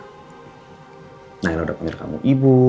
nah nailah udah panggil kamu ibu